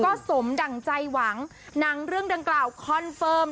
ก็สมดั่งใจหวังหนังเรื่องดังกล่าวคอนเฟิร์ม